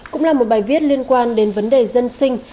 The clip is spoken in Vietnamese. cũng là một bài viết liên quan đến vấn đề dân sinh